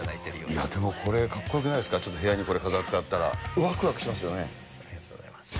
いやでもこれ、かっこよくないですか、ちょっと部屋にこれ飾ってあったら、わくわくしますよありがとうございます。